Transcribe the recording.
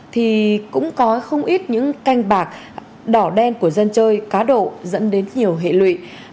thì cũng có không ít những canh bạc đỏ đen của dân chơi cá độ dẫn đến nhiều hệ lụy